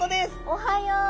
おはよう。